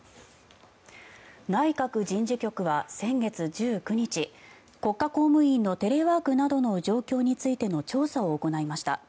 内閣人事局は先月１９日国家公務員のテレワークなどの状況についての調査を行いました。